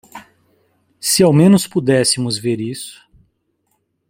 Se ao menos pudéssemos ver isso.